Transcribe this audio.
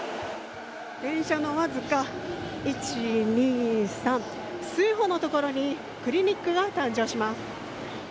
電車のわずか１、２、３数歩のところにクリニックが誕生します。